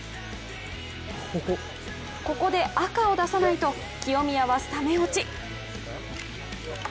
ここで赤を出さないと清宮はスタメン落ち。